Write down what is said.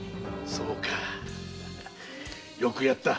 そうかよくやった。